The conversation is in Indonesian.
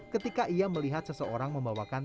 ketika ia melihat seseorang membawakan